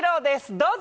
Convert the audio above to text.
どうぞ！